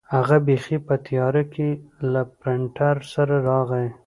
هغه بیخي په تیاره کې له پرنټر سره راغی.